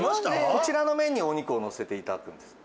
こちらの面にお肉をのせていただくんです。